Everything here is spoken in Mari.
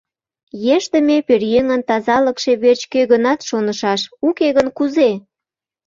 Ешдыме пӧръеҥын тазалыкше верч кӧ-гынат шонышаш, уке гын кузе?